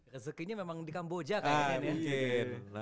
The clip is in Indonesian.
rezekinya memang di kamboja kayaknya